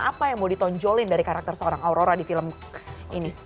apa yang mau ditonjolin dari karakter seorang aurora di film ini